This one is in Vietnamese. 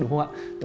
đúng không ạ